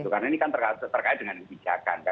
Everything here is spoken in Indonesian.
karena ini kan terkait dengan bijakan